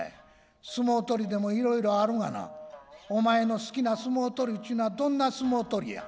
相撲取りでもいろいろ有るがなお前の好きな相撲取りちゅうのはどんな相撲取りや」。